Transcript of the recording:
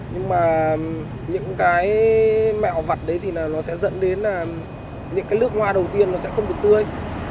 nhưng mà những cái mẹo vật đấy thì nó sẽ dẫn đến là những cái lượng hoa đầu tiên nó sẽ không được tươi